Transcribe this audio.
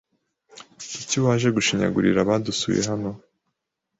Kuki waje gushinyagurira abadusuye hano?